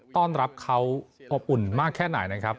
ต้อนรับเขาอบอุ่นมากแค่ไหนนะครับ